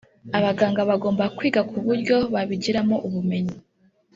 abaganga bagomba kwiga ku buryo babigiramo ubumenyi